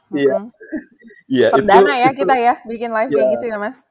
perdana ya kita ya bikin live kayak gitu ya mas